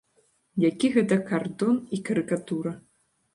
Які гэта кардон і карыкатура!